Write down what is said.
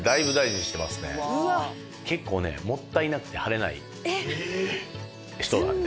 結構ねもったいなくて貼れない人なんで。